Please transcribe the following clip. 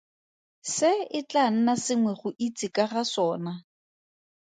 Se e tlaa nna sengwe go itse ka ga sona.